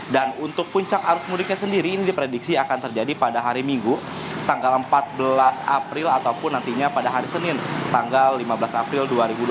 dan untuk puncak arus mudiknya sendiri ini diprediksi akan terjadi pada hari minggu tanggal empat belas april ataupun nantinya pada hari senin tanggal lima belas april dua ribu dua puluh empat